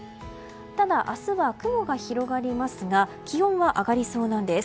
ただ明日は雲が広がりますが気温は上がりそうなんです。